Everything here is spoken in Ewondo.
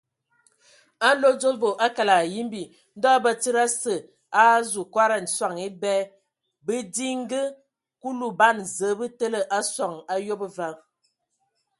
A nlodzobo a kələg yimbi, Ndɔ batsidi asǝ a azu kɔdan sɔŋ ebɛ bidinga; Kulu ban Zǝə bə təlǝ a soŋ ayob va.